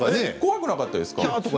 怖くなかったですか？